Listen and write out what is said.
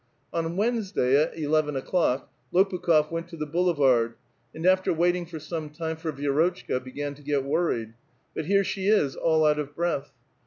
On Wednesday, at eleven o'clock, Lopukh6f went to the boulevard, and after waiting for some time for Vi^rotchka began to get worried ; but here she is, all out of breath.